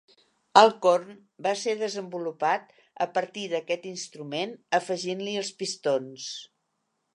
El corn va ser desenvolupat a partir d'aquest instrument, afegint-li els pistons.